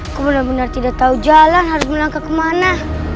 aku benar benar tidak tahu jalan harus melangkah kemana